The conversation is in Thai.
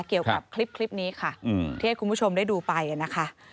เกี่ยวกับคลิปนี้ค่ะที่ให้คุณผู้ชมได้ดูไปนะคะ